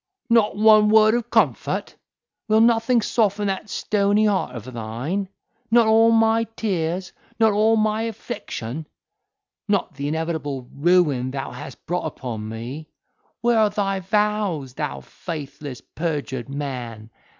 not one word of comfort? Will nothing soften that stony heart of thine? Not all my tears! not all my affliction! not the inevitable ruin thou hast brought upon me! Where are thy vows, thou faithless, perjured man?